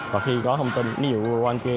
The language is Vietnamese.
và khi có thông tin ví dụ anh kia